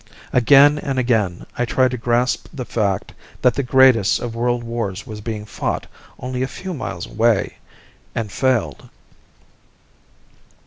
Again and again I tried to grasp the fact that the greatest of world wars was being fought only a few miles away and failed.